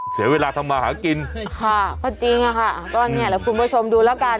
เสียเวลาทำมาหากินค่ะก็จริงอะค่ะก็เนี่ยแหละคุณผู้ชมดูแล้วกัน